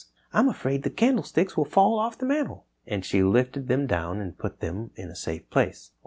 I'm afraid the candlesticks will fall off the mantel," and she lifted them down and put them in a safe place.